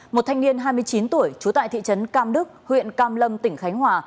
một thanh niên hai mươi chín tuổi trú tại thị trấn cam đức huyện cam lâm tỉnh khánh hòa